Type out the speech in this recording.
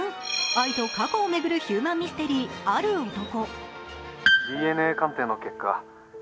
愛と過去を巡るヒューマンミステリー、「ある男」。